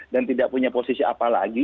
dan tidak punya posisi apa lagi